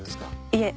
いえ。